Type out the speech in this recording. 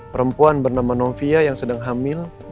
perempuan bernama novia yang sedang hamil